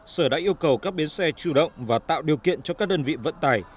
sở đã yêu cầu các bến xe chủ động và tạo điều kiện cho các đơn vị vận tải